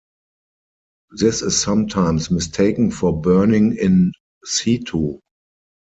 This is sometimes mistaken for burning in situ.